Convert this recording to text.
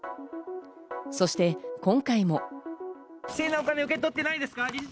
そして今回も。